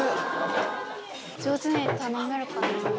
上手に頼めるかな。